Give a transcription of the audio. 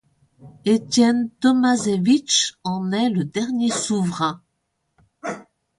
Étienne Tomašević en est le dernier souverain.